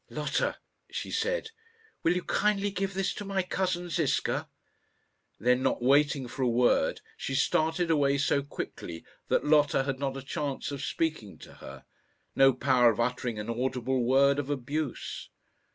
"Lotta," she said, "will you kindly give this to my cousin Ziska?" Then, not waiting for a word, she started away so quickly that Lotta had not a chance of speaking to her, no power of uttering an audible word of abuse.